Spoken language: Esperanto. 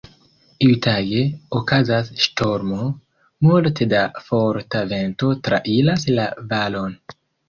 Iutage, okazas ŝtormo. Multe da forta vento trairas la valon.